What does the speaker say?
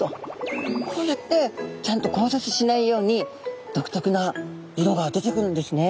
こうやってちゃんと交雑しないように独特な色が出てくるんですね。